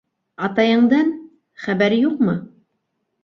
Атайыңдан... хәбәр юҡмы?